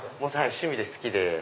趣味で好きで。